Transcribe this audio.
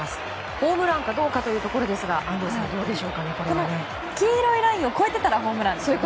ホームランかどうかというところですが黄色いラインを越えてればホームランですよね。